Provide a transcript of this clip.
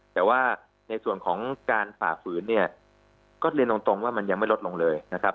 แต่ว่าในส่วนของการฝ่าฝืนเนี่ยก็เรียนตรงว่ามันยังไม่ลดลงเลยนะครับ